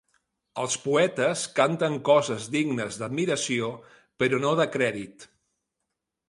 Els poetes canten coses dignes d'admiració però no de crèdit.